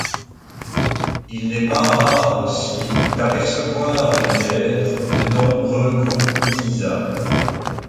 Il n'est pas rare aussi d'apercevoir l'hiver de nombreux groupes d'isards.